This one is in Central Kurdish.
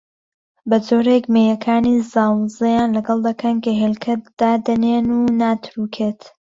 بەجۆرێک مێیەکانی زاوزێیان لەگەڵ دەکەن کە هێلکە دادەنێن و ناتروکێت